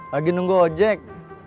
lagi nunggu ojek